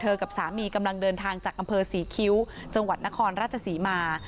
กับสามีกำลังเดินทางจากอำเภอศรีคิ้วจังหวัดนครราชศรีมา